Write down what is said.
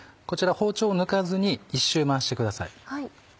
こちら包丁を抜かずに１周回してください。